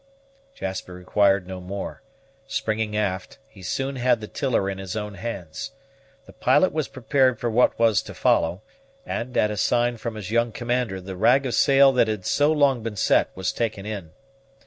Jasper required no more; springing aft, he soon had the tiller in his own hands. The pilot was prepared for what was to follow; and, at a sign from his young commander, the rag of sail that had so long been set was taken in.